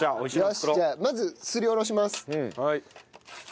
よしじゃあまずすりおろします。